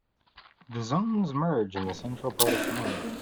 The zones merge in the central part of town.